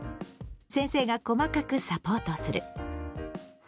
先生が細かくサポートする。